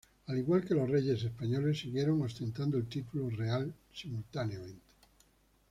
Al igual que los reyes españoles, siguieron ostentando el título real simultáneamente.